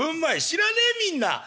知らねえみんな。